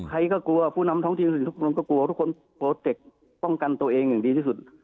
ใครก็กลัวผู้นำท้องถิ่นทุกคนก็กลัวทุกคนโปรเจคป้องกันตัวเองอย่างดีที่สุด